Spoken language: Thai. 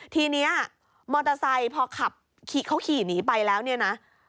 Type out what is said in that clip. ทีนี้มอเตอร์ไซค์พอขับเขาขี่หนีไปแล้วเนี่ยนะ